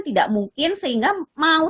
tidak mungkin sehingga mau